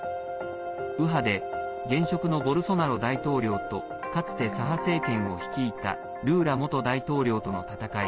右派で現職のボルソナロ大統領とかつて左派政権を率いたルーラ元大統領との戦い。